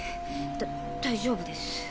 だ大丈夫です。